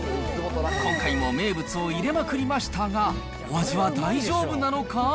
今回も名物を入れまくりましたが、お味は大丈夫なのか。